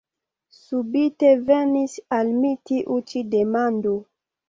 Subite venis al mi tiu ĉi demando.